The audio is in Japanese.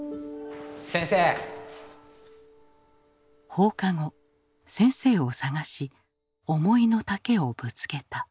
放課後先生を捜し思いの丈をぶつけた。